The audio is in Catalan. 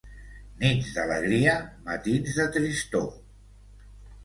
Nits d'alegria, matins de tristor.